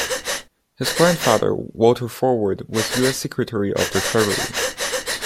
His grandfather Walter Forward was U. S. Secretary of the Treasury.